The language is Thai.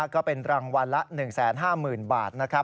ก็เป็นรางวัลละ๑๕๐๐๐๐บาท